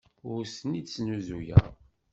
Ur tent-id-snuzuyeɣ.